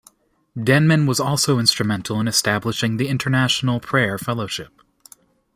Denman was also instrumental in establishing the International Prayer Fellowship.